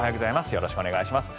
よろしくお願いします。